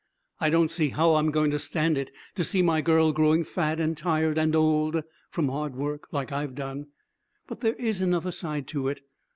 I don't see how I'm going to stand it to see my girl growing fat and tired and old from hard work, like I've done. But there is another side to it.